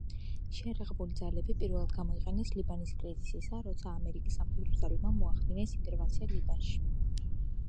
შეიარაღებული ძალები პირველად გამოიყენეს ლიბანის კრიზისისას, როცა ამერიკის სამხედრო ძალებმა მოახდინეს ინტერვენცია ლიბანში.